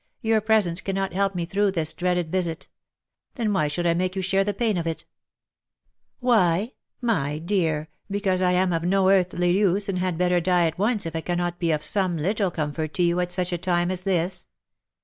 " Your presence cannot help me through this dreaded visit. Then why should I make you share the pain of it V* '* Why ? my dear ! because I am of no earthly use, and had better die at once if I cannot be of some little comfort to you at such a time as this.